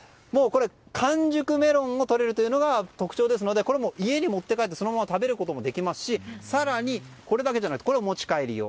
これは完熟メロンをとれるというのが特徴ですので、家に持って帰ってそのまま食べることもできますしこれだけじゃなくてこれは持ち帰り用。